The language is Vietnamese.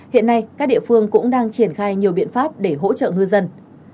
hiện nay các địa phương cũng đang triển khai nhiều biện pháp để hỗ trợ ngư dân